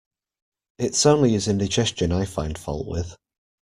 It's only his indigestion I find fault with.